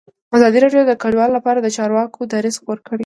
ازادي راډیو د کډوال لپاره د چارواکو دریځ خپور کړی.